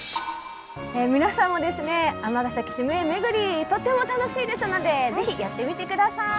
皆さんもですね尼崎地名めぐりとても楽しいですので是非やってみてください。